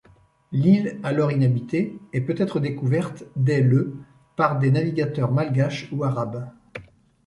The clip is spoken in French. L'île alors inhabitée est peut-être découverte dès le par des navigateurs malgaches ou arabes.